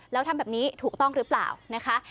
แล้วทำแบบนี้ถูกต้องหรือเปล่านะคะ